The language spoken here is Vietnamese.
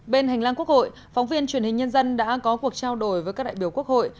bên hành lang quốc hội phóng viên truyền hình nhân dân đã có cuộc trao đổi với các đại biểu quốc hội